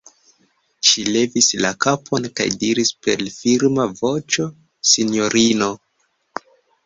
Ŝi levis la kapon kaj diris per firma voĉo: -- Sinjorino!